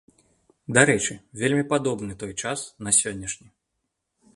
Дарэчы, вельмі падобны той час на сённяшні.